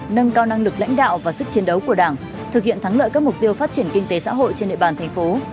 nâng cao năng lực lãnh đạo và sức chiến đấu của đảng thực hiện thắng lợi các mục tiêu phát triển kinh tế xã hội trên địa bàn thành phố